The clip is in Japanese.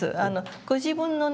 ご自分のね